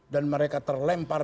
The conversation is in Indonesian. dan mereka terlempar